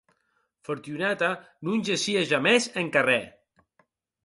Fortunata non gessie jamès en carrèr.